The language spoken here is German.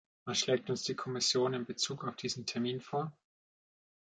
Was schlägt uns die Kommission in bezug auf diesen Termin vor?